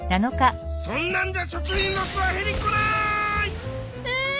そんなんじゃ食品ロスは減りっこない！え！？